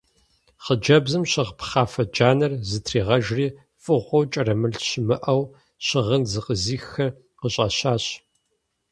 Хъыджэбзым щыгъ пхъафэ джанэр зытригъэжри фӀыгъуэу кӀэрымылъ щымыӀэу щыгъын зыкъизыххэр къыщӀэщащ.